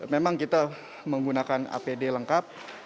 memang kita menggunakan apd lengkap